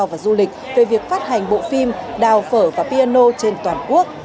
và du lịch về việc phát hành bộ phim đào phở và piano trên toàn quốc